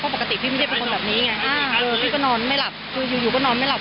ปกติพี่ไม่ได้เป็นคนแบบนี้ไงพี่ก็นอนไม่หลับคืออยู่ก็นอนไม่หลับ